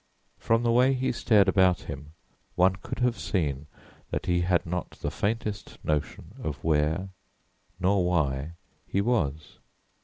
From the way he stared about him one could have seen that he had not the faintest notion of where (nor why) he was.